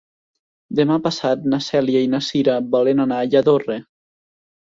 Demà passat na Cèlia i na Cira volen anar a Lladorre.